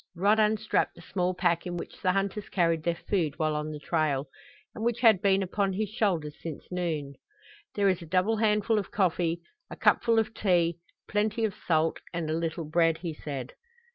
Rod unstrapped the small pack in which the hunters carried their food while on the trail, and which had been upon his shoulders since noon. "There is a double handful of coffee, a cupful of tea, plenty of salt and a little bread," he said.